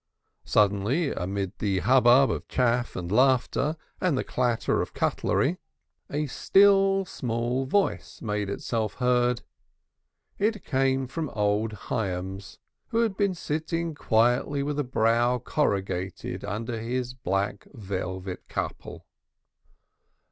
Suddenly, amid the hubbub of chaff and laughter and the clatter of cutlery, a still small voice made itself heard. It same from old Hyams, who had been sitting quietly with brow corrugated under his black velvet koppel. "Mr.